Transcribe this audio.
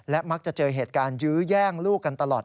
มักจะเจอเหตุการณ์ยื้อแย่งลูกกันตลอด